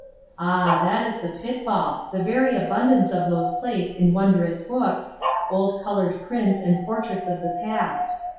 Ah, that is the pitfall the very abundance of those plates in wondrous books, old coloured prints and portraits of the past.